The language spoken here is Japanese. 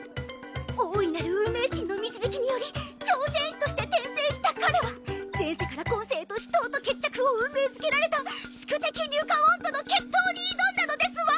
大いなる運命神の導きにより超戦士として転生した彼は前世から今世へと死闘と決着を運命づけられた宿敵リュカオーンとの決闘に挑んだのですわ！